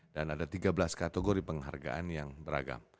dan ada tiga belas kategori penghargaan yang beragam